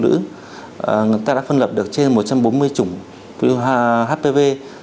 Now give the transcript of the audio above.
người ta đã phân lập được trên một trăm bốn mươi chủng virus hpv